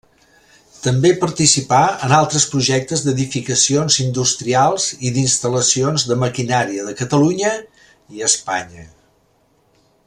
També participà en altres projectes d'edificacions industrials i d'instal·lacions de maquinària de Catalunya i Espanya.